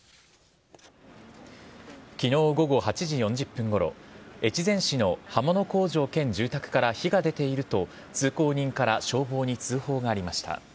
昨日午後８時４０分ごろ越前市の刃物工場兼住宅から火が出ていると通行人から消防に通報がありました。